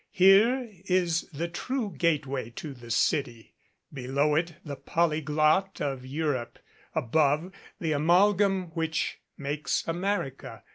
Here is the true gateway to the city below it the polyglot of Europe; above, the amalgam which makes America.